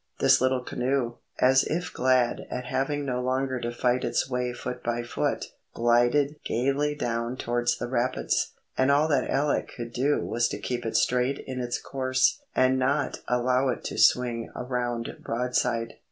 The little canoe, as if glad at having no longer to fight its way foot by foot, glided gaily down towards the rapids, and all that Alec could do was to keep it straight in its course, and not allow it to swing around broadside.